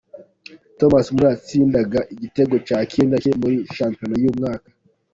Thomas Muller yatsindaga igitego cya kenda cye muri shampiyona uyu mwaka.